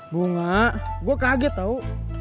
bunga gua kaget tau